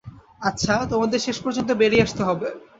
আচ্ছা, তোমাদের শেষ পর্যন্ত বেরিয়ে আসতে হবে।